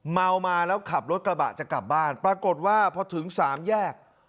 เมามาแล้วขับรถกระบะจะกลับบ้านปรากฏว่าพอถึงสามแยก